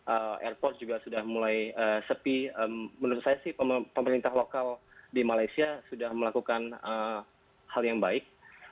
airport juga sudah mulai sepi menurut saya sih pemerintah lokal di malaysia sudah melakukan hal yang baik